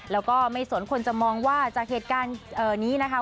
แล้วก็ไม่สนคนจะมองว่าจากเหตุการณ์นี้นะคะ